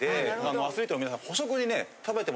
アスリートの皆さん。